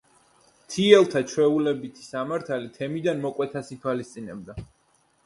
მთიელთა ჩვეულებითი სამართალი თემიდან მოკვეთას ითვალისწინებდა.